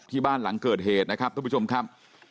บ้านหลังเกิดเหตุนะครับทุกผู้ชมครับ